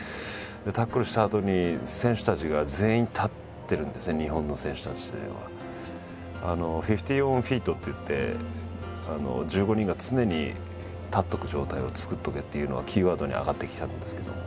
タックルしたあとに選手たちが全員立ってるんですね日本の選手たちというのは。「フィフティーンオンフィート」といって１５人が常に立っとく状態を作っとけっていうのがキーワードに上がってきてたんですけども。